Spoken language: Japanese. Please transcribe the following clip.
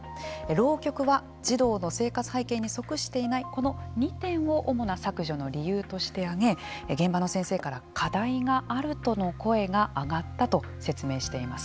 浪曲は児童の生活背景に即していないこの２点を主な削除の理由として挙げ現場の先生から課題があるとの声が上がったと説明しています。